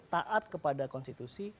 taat kepada konstitusi